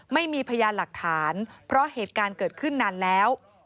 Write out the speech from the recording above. ไม่มีพยานหลักฐานเพราะเหตุการณ์เกิดขึ้นนานแล้ว